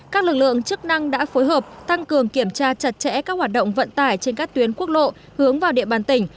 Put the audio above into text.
các lực lượng chức năng đã phối hợp tăng cường kiểm tra chặt chẽ các hoạt động vận tải trên các tuyến quốc lộ hướng vào địa bàn tỉnh